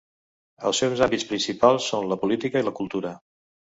Els seus àmbits principals són la política i la cultura.